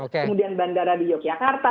kemudian bandara di yogyakarta